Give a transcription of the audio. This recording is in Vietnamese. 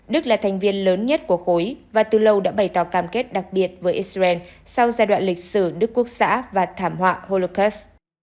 đức là thành viên lớn nhất của khối và từ lâu đã bày tỏ cam kết đặc biệt với israel sau giai đoạn lịch sử đức quốc xã và thảm họa hollkus